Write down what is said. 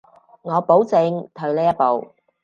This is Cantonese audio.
我保證退呢一步